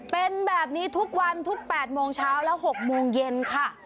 เป็นแบบนี้ทุกวันทุก๘โมงเช้าและ๖โมงเย็นค่ะ